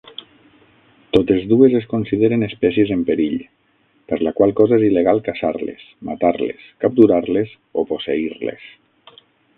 Totes dues es consideren espècies en perill, per la qual cosa és il·legal caçar-les, matar-les, capturar-les o posseir-les.